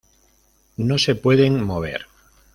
No se pueden mover.